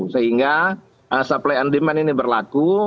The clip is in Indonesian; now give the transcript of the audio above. sehingga supply and demand ini berlaku